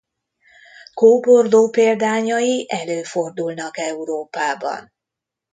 Kóborló példányai előfordulnak Európában.